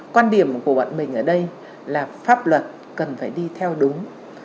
quan điểm của bọn mình ở đây là pháp luật cần phải đi theo đúng